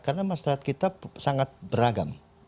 karena masyarakat kita sangat beragam